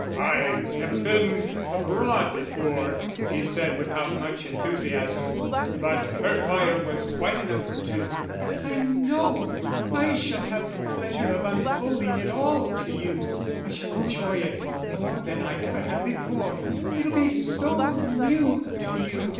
"I've never been abroad before," he said, without much enthusiasm. But her fire was quite enough for two. "I know, I shall have the pleasure of unfolding it all to you. I shall enjoy it more than I ever have before; it'll be so new to you.